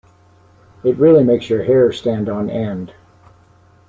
It really makes your hair stand on end.